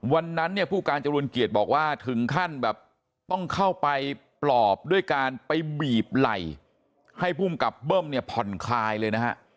วันนั้นเนี่ยผู้การจรูนเกียจบอกว่าถึงขั้นแบบต้องเข้าไปปลอบด้วยการไปบีบไหล่ให้ภูมิกับเบิ้มเนี่ยผ่อนคลายเลยนะฮะ